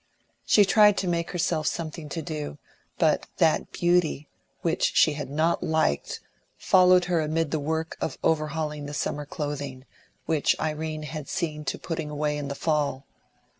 She tried to make herself something to do, but that beauty, which she had not liked, followed her amid the work of overhauling the summer clothing, which Irene had seen to putting away in the fall.